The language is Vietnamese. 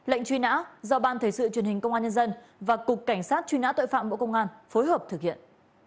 lệnh truy nã do ban thể sự truyền hình công an nhân dân và cục cảnh sát truy nã tội phạm bộ công an phối hợp thực hiện